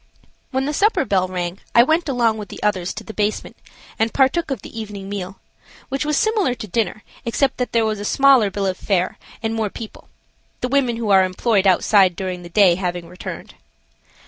When the supper bell rang I went along with the others to the basement and partook of the evening meal, which was similar to dinner, except that there was a smaller bill of fare and more people, the women who are employed outside during the day having returned.